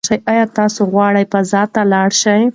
ایا تاسي غواړئ فضا ته لاړ شئ؟